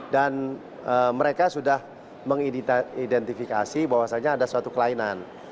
dan mereka sudah mengidentifikasi bahwasannya ada suatu kelainan